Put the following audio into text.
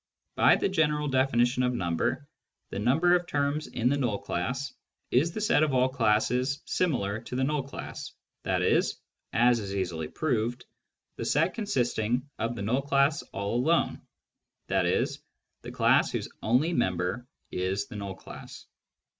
By the general definition of number, the number of terms in the null class is the set of all classes similar to the null class, i.e. (as is easily proved) the set consisting of the null class all alone, i.e. the class whose only member is the null class.